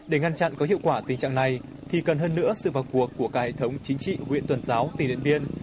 để ngăn chặn có hiệu quả tình trạng này thì cần hơn nữa sự vào cuộc của cả hệ thống chính trị huyện tuần giáo tỉnh điện biên